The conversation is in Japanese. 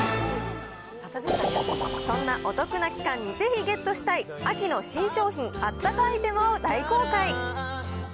そんなお得な期間にぜひゲットしたい秋の新商品、あったかアイテムを大公開。